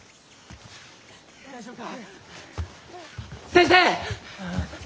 ・先生！